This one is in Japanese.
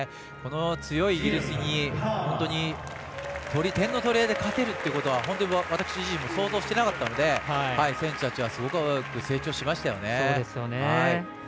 強いイギリスに点の取り合いで勝てるということは本当に私自身も想像してなかったので選手たちはすごく成長しましたよね。